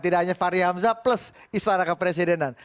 tidak hanya fahri hamzah plus istana kepresidenan